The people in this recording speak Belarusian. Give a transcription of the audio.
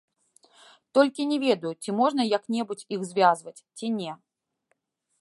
Толькі не ведаю, ці можна як-небудзь іх звязваць, ці не.